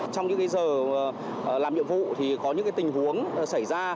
trong những giờ làm nhiệm vụ thì có những tình huống xảy ra